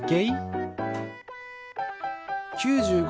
９５。